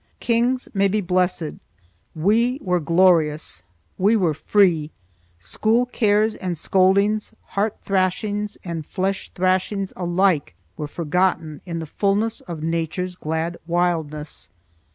Kings may be blessed; we were glorious, we were free,—school cares and scoldings, heart thrashings and flesh thrashings alike, were forgotten in the fullness of Nature's glad wildness.